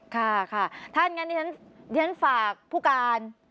ค่ะท่านทีร้านฟากผู้การ